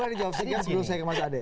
ini saya ingin menjawab